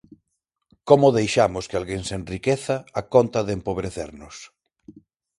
Como deixamos que alguén se enriqueza a conta de empobrecernos?